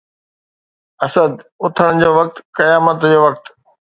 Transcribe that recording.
اسد! اٿڻ جو وقت ، قيامت جو وقت